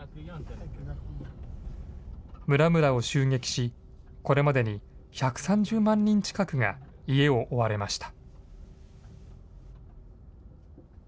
村々を襲撃し、これまでに１３０万人近くが家を追われました。